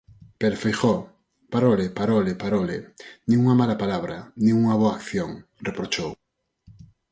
Pero Feijóo "parole, parole, parole, nin unha mala palabra, nin unha boa acción", reprochou.